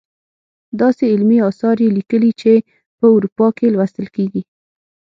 داسې علمي اثار یې لیکلي چې په اروپا کې لوستل کیږي.